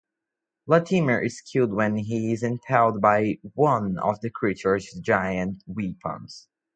Latimer is killed when he is impaled by one of the creatures' giant weapons.